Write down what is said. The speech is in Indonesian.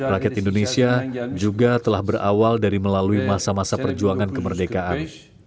rakyat indonesia juga telah berawal dari melalui masa masa perjuangan kemerdekaan